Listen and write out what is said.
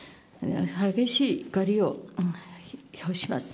激しい怒りを表します。